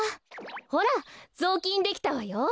ほらぞうきんできたわよ。